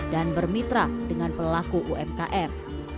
dan bermitra dengan pelaku umkm